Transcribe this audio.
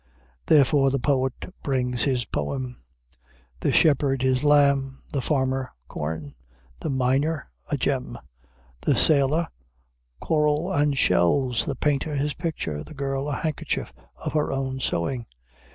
Therefore the poet brings his poem; the shepherd, his lamb; the farmer, corn; the miner, a gem; the sailor, coral and shells; the painter, his picture; the girl, a handkerchief of her own sewing.